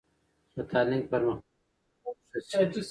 که په تعلیم کې پرمختګ وي، نو ټولنه به ښه شي.